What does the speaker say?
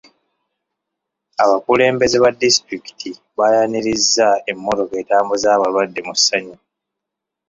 Abakulembeze ba disitulikiti baayanirizza emmotoka etambuza abalwadde mu ssanyu.